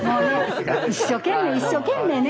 一生懸命一生懸命ね。